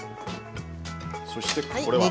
そしてこれは？